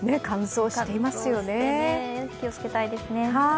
乾燥して、気をつけたいですね。